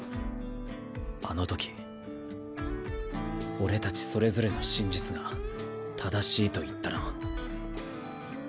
あのとき俺たちそれぞれの真実が正しいと言ったな。